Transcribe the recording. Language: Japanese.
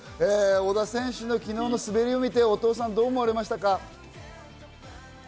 小田選手の昨日の滑りを見て、お父さんはどう思われましたか？